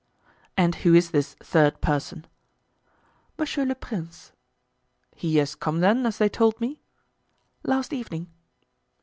"And who is this third person?" "Monsieur le Prince." "He has come, then, as they told me?" "Last evening."